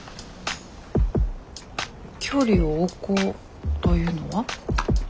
距離を置こうというのは？